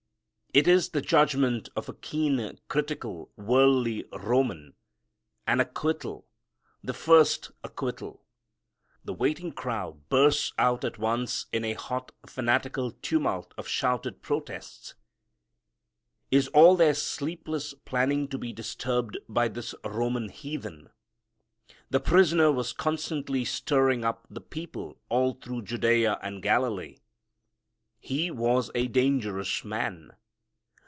It is the judgment of a keen, critical, worldly Roman; an acquittal, the first acquittal. The waiting crowd bursts out at once in a hot, fanatical tumult of shouted protests. Is all their sleepless planning to be disturbed by this Roman heathen? The prisoner was constantly stirring up the people all through Judea and Galilee. He was a dangerous man.